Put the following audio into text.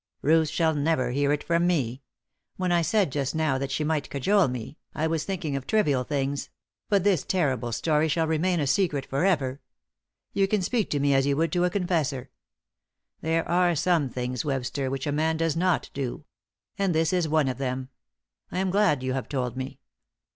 "Ruth shall never hear it from me. When I said just now that she might cajole we, I was thinking of trivial things; but this terrible story shall remain a secret for ever. You can speak to me as you would to a confessor. There are some things, Webster, which a man does not do; and this is one of them. I am glad you have told me."